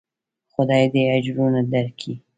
خداى دې اجرونه درکي.